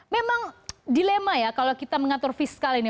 memang dilema ya kalau kita mengatur fiskal ini